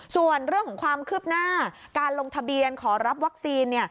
ส่วนเรื่องของความคืบหน้าการลงทะเบียนขอรับวัคซีน